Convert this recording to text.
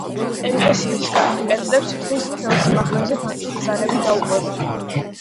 ეკლესიის განივ კედლებს თითქმის მთელ სიმაღლეზე, ფართო ბზარები დაუყვება.